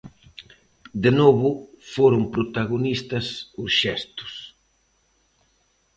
De novo foron protagonistas os xestos.